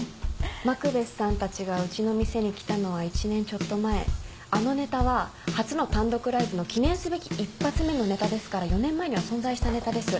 マクベスさんたちがうちの店に来たのは１年ちょっと前あのネタは初の単独ライブの記念すべき一発目のネタですから４年前には存在したネタです。